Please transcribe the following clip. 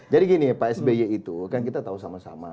jadi gini pak sby itu kan kita tahu sama sama